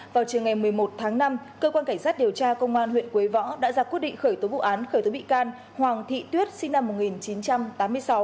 vào trường ngày một mươi một tháng năm cơ quan cảnh sát điều tra công an huyện quế võ đã ra quyết định khởi tố vụ án khởi tố bị can hoàng thị tuyết sinh năm một nghìn chín trăm tám mươi sáu